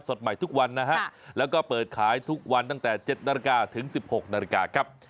สดใหม่ทุกวันนะครับแล้วก็เปิดขายทุกวันตั้งแต่๗นถึง๑๖นครับ